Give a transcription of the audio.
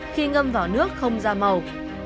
khi ngâm vào nước không ra màu